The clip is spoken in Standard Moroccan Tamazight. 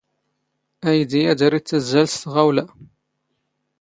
ⴰⵢⴷⵉ ⴰⴷ ⴰⵔ ⵉⵜⵜⴰⵣⵣⴰⵍ ⵙ ⵜⵖⴰⵡⵍⴰ.